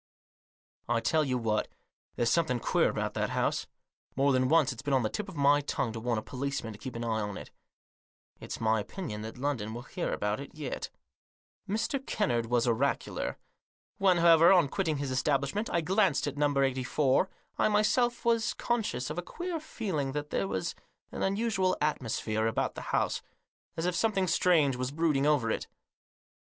I tell you what ; there's something queer about that house. More than once it's been on the tip of my tongue to warn a policeman to keep an eye on it. It's my opinion that London will hear about it yet." Mr. Kennard was oracular. When, however, on quitting his establishment I glanced at No. 84, I myself was conscious of a queer feeling that there was an unusual atmosphere about the house, as if some thing strange was brooding over it.